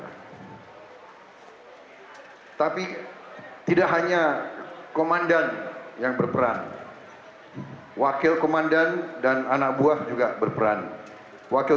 hai tapi tidak hanya komandan yang berperan wakil komandan dan anak buah juga berperan wakil